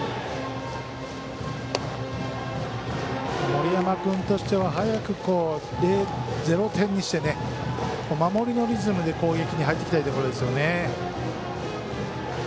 森山君としては早く０点にして守りのリズムで攻撃に入っていきたいところですね。